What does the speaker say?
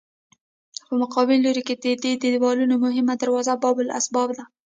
په مقابل لوري کې د دې دیوالونو مهمه دروازه باب الاسباب ده.